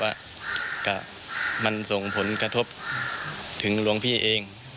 ว่ามันส่งผลกระทบถึงหลวงพี่เอง